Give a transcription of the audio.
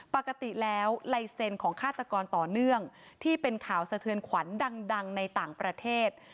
ปกติแล้วลายเซ็นต์ของฆาตกรต่อเนื่องที่เป็นข่าวสะเทือนขวัญดังในต่างประเทศ